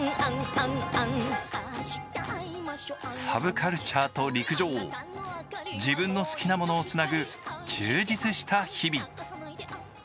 サブカルチャーと陸上、自分の好きなものをつなぐ充実した日々。